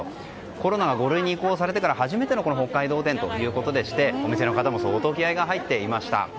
コロナが５類に移行されてから初めての北海道展ということでしてお店の方も相当気合が入っていました。